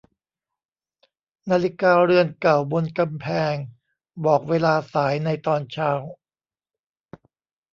นาฬิกาเรือนเก่าบนกำแพงบอกเวลาสายในตอนเช้า